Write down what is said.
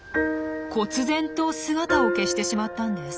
こつ然と姿を消してしまったんです。